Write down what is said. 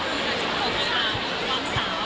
จะควบคุมถึงความสาว